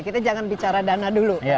kita jangan bicara dana dulu